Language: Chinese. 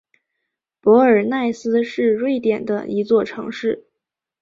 博尔奈斯是瑞典的一座城市。